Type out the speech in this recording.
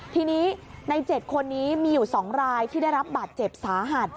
ทีนี้ใน๗คนนี้มีอยู่๒รายที่ได้รับบาดเจ็บสาหัส